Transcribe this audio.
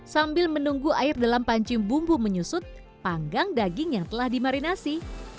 sambil menunggu air dalam pancing bumbu menyusut panggang daging yang telah dimarinasi